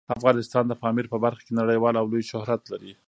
افغانستان د پامیر په برخه کې نړیوال او لوی شهرت لري.